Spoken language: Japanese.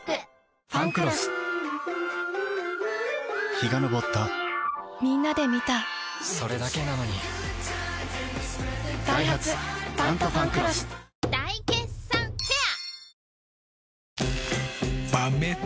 陽が昇ったみんなで観たそれだけなのにダイハツ「タントファンクロス」大決算フェア